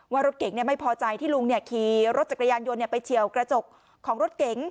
ว่ารถเก๋งไม่พอใจที่ลุงขี่รถจักรยานยนต์ไปเฉียวกระจกของรถเก๋ง